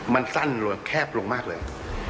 มันสั้นลงแคบลงมากเลย